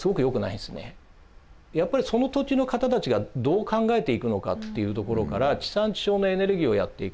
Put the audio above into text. やっぱりその土地の方たちがどう考えていくのかっていうところから地産地消のエネルギーをやっていく。